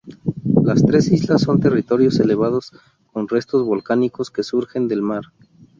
Las tres islas son territorios elevados con restos volcánicos que surgen del mar.